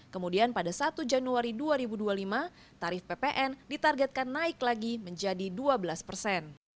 kemudian pada satu januari dua ribu dua puluh lima tarif ppn ditargetkan naik lagi menjadi dua belas persen